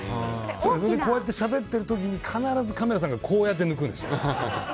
こうやってしゃべってる時に必ずカメラさんがこうやって抜くんです。